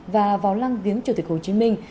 và vào lăng viếng chủ tịch hồ chí minh